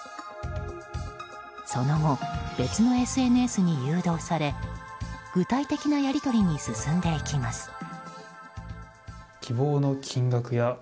その後、別のＳＮＳに誘導され具体的なやり取りに進んでいきます。